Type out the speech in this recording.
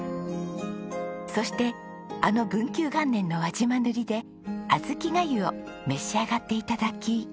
そしてあの文久元年の輪島塗で小豆粥を召し上がって頂き。